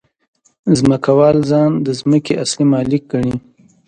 ځمکوال ځان د ځمکې اصلي مالک ګڼي